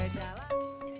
ayah udah jalan